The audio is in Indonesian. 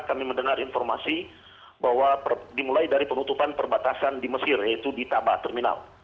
kami mendengar informasi bahwa dimulai dari penutupan perbatasan di mesir yaitu di tabah terminal